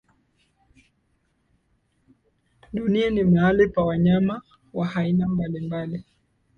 Dunia ni mahali pa wanyama wa aina mbalimbali.